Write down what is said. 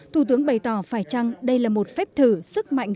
thủ tướng bày tỏ phải chăng đây là một phép thử sức mạnh